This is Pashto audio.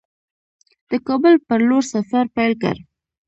د کابل پر لور سفر پیل کړ.